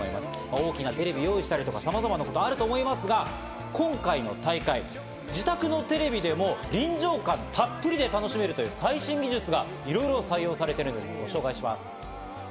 大きなテレビを用意したり様々あると思いますが今回の大会、自宅のテレビでも臨場感たっぷりで楽しめる最新技術がいろいろ採用されているのでご紹介します。